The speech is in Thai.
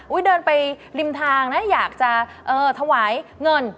เดินไปริมทางนะอยากจะถวายเงิน